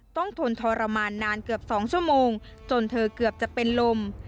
ทนทรมานนานเกือบ๒ชั่วโมงจนเธอเกือบจะเป็นลม